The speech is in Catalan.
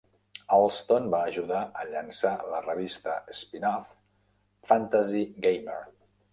Allston va ajudar a llançar la revista spinoff "Fantasy Gamer".